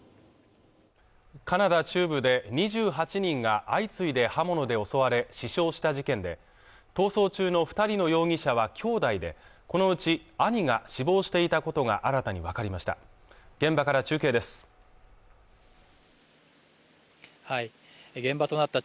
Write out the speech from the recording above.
カナダ中部で２８人が相次いで刃物で襲われ死傷した事件で逃走中の二人の容疑者は兄弟でこのうち兄が死亡していたことが新たに分かりました